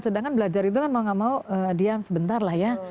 sedangkan belajar itu kan mau gak mau diam sebentar lah ya